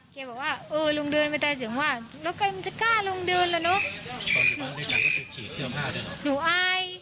แกบอกว่าเอาลงเดินไปได้เสียงว่าล้อกันจะกล้าลงเดินหรอเนอะ